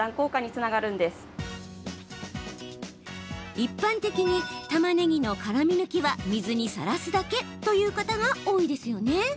一般的に、たまねぎの辛み抜きは水にさらすだけという方が多いですよね？